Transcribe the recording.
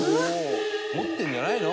持ってるんじゃないの？